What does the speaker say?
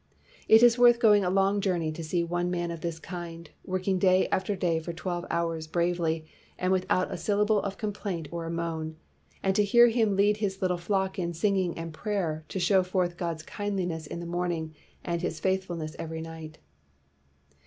It is worth going a long journey to see one man • of this kind, working day after day for twelve hours bravely, and without a syl lable of complaint or a moan, and to hear him lead his little flock in singing and prayer to show forth God's kindness in the morning, and his faithfulness every night."